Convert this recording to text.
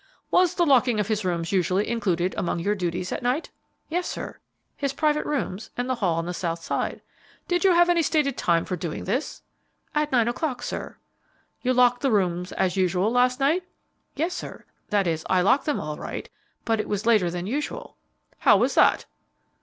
"Was the locking of his rooms usually included among your duties at night?" "Yes, sir; his private rooms and the hall on the south side." "Did you have any stated time for doing this?" "At nine o'clock, sir." "You locked the rooms as usual last night?" "Yes, sir; that is, I locked them all right, but it was later than usual." "How was that?"